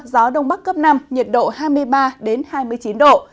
gió đông bắc cấp năm nhiệt độ hai mươi ba hai mươi chín độ